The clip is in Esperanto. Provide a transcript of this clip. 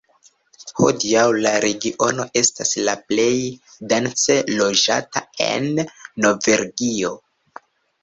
Hodiaŭ, la regiono estas la plej dense loĝata en Norvegio.